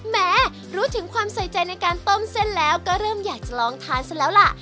แม้รู้ถึงความใส่ใจในการต้มเส้นแล้วก็เริ่มอยากจะลองทานซะแล้วล่ะ